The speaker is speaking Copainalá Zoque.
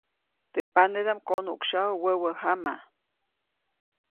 Teʼ panedaʼm konuʼksyaju wäwä jama.